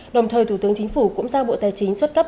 đồng thời thủ tướng chính phủ cũng giao bộ tài chính xuất cấp